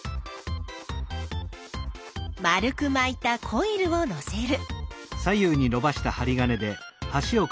丸くまいたコイルをのせる。